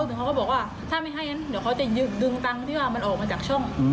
แต่เขาก็บอกว่าถ้าไม่ให้งั้นเดี๋ยวเขาจะดึงตังค์ที่ว่ามันออกมาจากช่อง